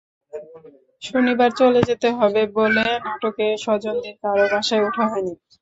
শনিবার চলে যেতে হবে বলে নাটকের স্বজনদের কারও বাসায় ওঠা হয়নি।